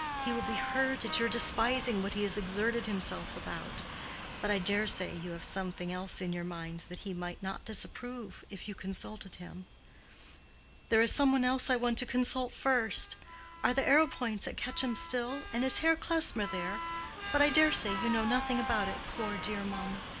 "He will be hurt at your despising what he has exerted himself about. But I dare say you have something else in your mind that he might not disapprove, if you consulted him." "There is some one else I want to consult first. Are the Arrowpoints at Quetcham still, and is Herr Klesmer there? But I daresay you know nothing about it, poor, dear mamma.